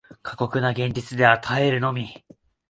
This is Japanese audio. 過酷な現実の前では耐えるのみ